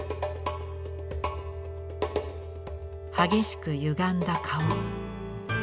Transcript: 激しくゆがんだ顔。